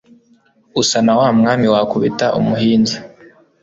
Usa na wa Mwami wakubita umuhinza